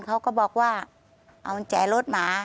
เขาก็บอกว่าเอากุญแจรถหมา